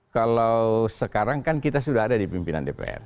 kalau sekarang kan kita sudah ada di pimpinan dpr